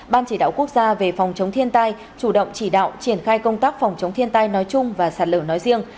ban chỉ đạo quốc gia về phòng chống thiên tai chủ động chỉ đạo triển khai công tác phòng chống thiên tai nói chung và sạt lở nói riêng